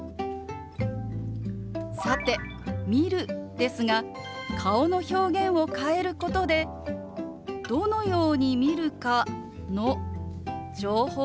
さて「見る」ですが顔の表現を変えることでどのように見るかの情報を加えることができるんです。